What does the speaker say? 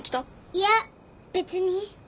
いや別に。